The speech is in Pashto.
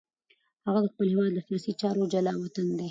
هغه د خپل هېواد له سیاسي چارو جلاوطن دی.